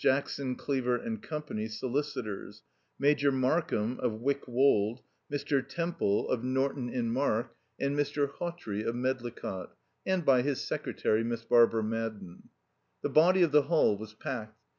Jackson, Cleaver and Co., solicitors; Major Markham of Wyck Wold, Mr. Temple of Norton in Mark, and Mr. Hawtrey of Medlicott; and by his secretary, Miss Barbara Madden. The body of the hall was packed.